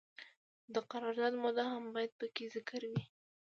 د قرارداد موده هم باید پکې ذکر وي.